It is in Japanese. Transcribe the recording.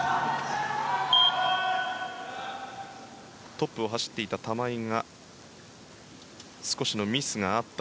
トップを走っていた玉井が少しのミスがあった